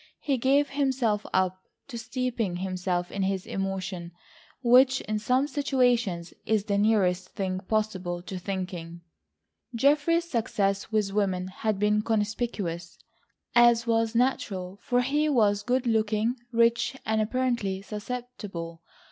He gave himself up to steeping himself in his emotion, which, in some situations, is the nearest thing possible to thinking. Geoffrey's success with women had been conspicuous, as was natural for he was good looking, rich and apparently susceptible.